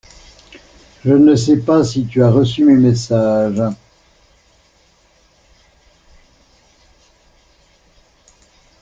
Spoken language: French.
Je ne sais pas si tu as reçu mes messages.